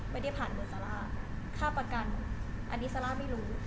ไม่ได้ผ่านเบอร์ซาร่าค่าประกันอันนี้ซาร่าไม่รู้